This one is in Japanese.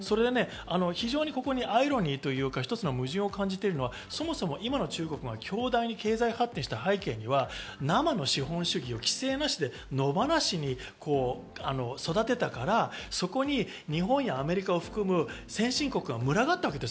ここにアイロニーというか一つの矛盾を感じているのは今の中国は強大に経済発展した背景には生の資本主義を規制なしで野放しに育てたから、そこに日本やアメリカを含む先進国が群がったわけです。